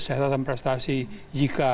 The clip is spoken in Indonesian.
setatam prestasi jika